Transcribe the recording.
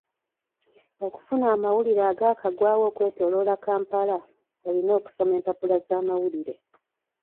Okufuna amawulire agaakagwawo okwetooloola Kampala oyina okusoma empapula z'amawulire.